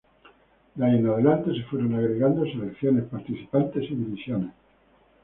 De ahí en adelante se fueron agregando selecciones participantes y divisiones.